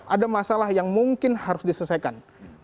ada masalah yang mungkin harus diselesaikan